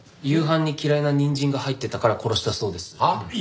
夕飯に嫌いな人参が入ってたから殺したそうです。